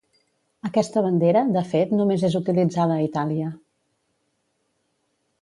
Aquesta bandera, de fet, només és utilitzada a Itàlia.